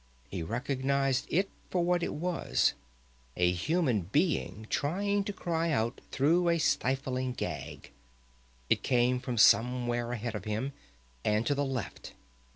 He recognized it for what it was a human being trying to cry out through a stifling gag. It came from somewhere ahead of him, and to the left.